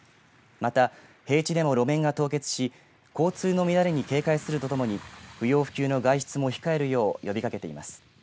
また平地でも路面が凍結し交通の乱れに警戒するとともに不要不急の外出も控えるよう呼びかけています。